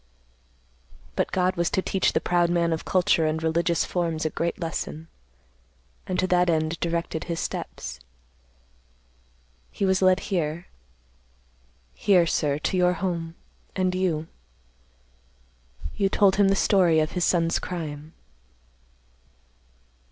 "But God was to teach the proud man of culture and religious forms a great lesson, and to that end directed his steps. He was led here, here, sir, to your home, and you—you told him the story of his son's crime."